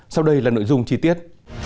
sau đây là nội dung chi tiết